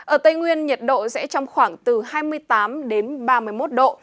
ở tây nguyên nhiệt độ sẽ trong khoảng từ hai mươi tám đến ba mươi một độ